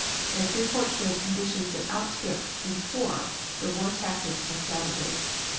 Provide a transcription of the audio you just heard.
Its report showed conditions that outstripped in horror the war tactics of savages.